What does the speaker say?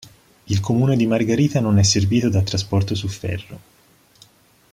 Il comune di Margarita non è servito da trasporto su ferro.